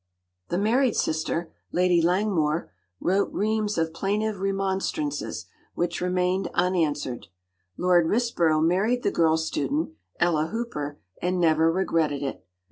The married sister, Lady Langmoor, wrote reams of plaintive remonstrances, which remained unanswered. Lord Risborough married the girl student, Ella Hooper, and never regretted it.